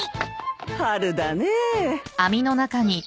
春だねえ。